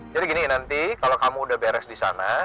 jadi gini nanti kalo kamu udah beres di sana